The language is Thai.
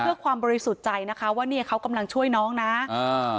เพื่อความบริสุทธิ์ใจนะคะว่าเนี่ยเขากำลังช่วยน้องนะอ่า